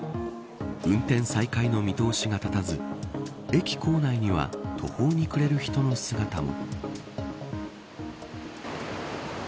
運転再開の見通しが立たず駅構内には途方に暮れる人の姿も。